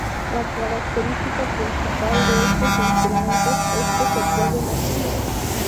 La característica principal de estos instrumentos es que se pueden afinar.